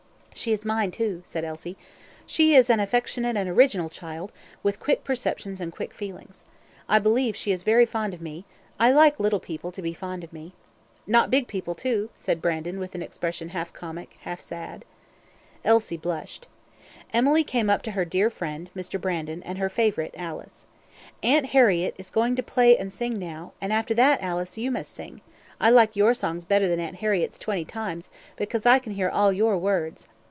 "She is mine, too," said Elsie; "she is an affectionate and an original child, with quick perceptions and quick feelings. I believe she is very fond of me; I like little people to be fond of me." "Not big people, too?" said Brandon, with an expression half comic, half sad. Elsie blushed. Emily came up to her dear friend, Mr. Brandon, and her favourite, Alice. "Aunt Harriett is going to play and sing now, and after that, Alice, you must sing. I like your songs better than Aunt Harriett's twenty times, because I can hear all your words."